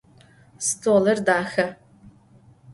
Stolır daxe.